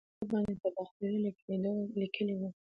دا نوم دوی په ځینو سکو باندې په باختري ليکدود لیکلی و